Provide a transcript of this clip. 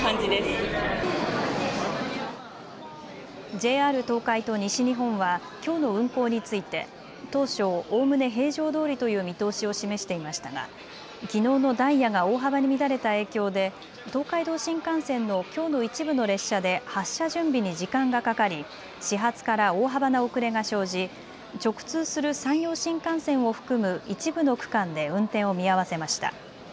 ＪＲ東海と西日本はきょうの運行について当初、おおむね平常どおりという見通しを示していましたがきのうのダイヤが大幅に乱れた影響で東海道新幹線のきょうの一部の列車で発車準備に時間がかかり始発から大幅な遅れが生じ直通する山陽新幹線を含む一部の区間で運転を見合わせました。